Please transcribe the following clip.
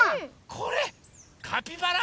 これカピバラ？